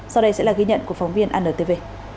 sau đây sẽ là ghi nhận của phóng viên antv